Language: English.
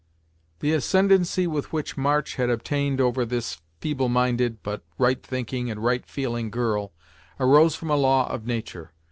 The ascendency which March had obtained over this feebleminded, but right thinking, and right feeling girl, arose from a law of nature.